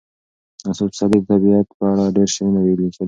استاد پسرلي د طبیعت په اړه ډېر شعرونه لیکلي.